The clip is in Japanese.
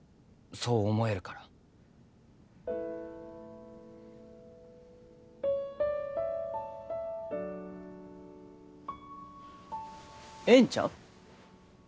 そう思えるからええんちゃう？